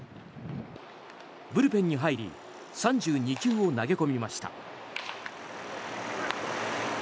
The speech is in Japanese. ブルペンに入り３２球を投げ込みました。